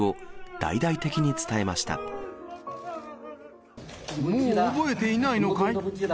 何も覚えていないのかい？